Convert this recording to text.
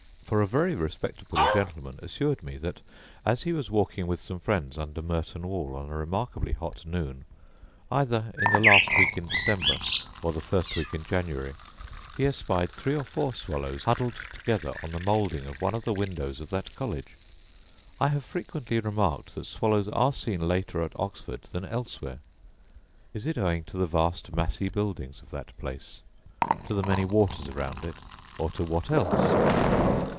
For a very respectable gentleman assured me that, as he was walking with some friends under Merton wall on a remarkably hot noon, either in the last week in December or the first week in January, he espied three or four swallows huddled together on the moulding of one of the windows of that college. I have frequently remarked that swallows are seen later at Oxford than elsewhere: is it owing to the vast massy buildings of that place, to the many waters round it, or to what else?